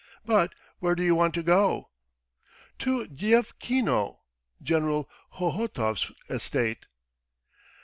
... But where do you want to go?" "To Dyevkino, General Hohotov's estate."